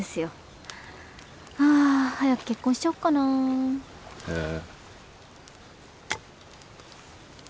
あ早く結婚しちゃおっかな。へえ。